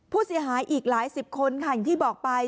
ผู้เสียหายอีกหลายสิบคนค่ะอย่างที่บอกไป